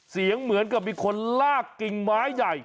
เสียงเหมือนกับมีคนลากกิ่งไม้ใหญ่